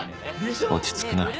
落ち着くなねえ。